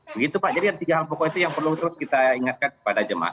begitu pak jadi tiga hal pokoknya yang perlu terus kita ingatkan kepada jemaah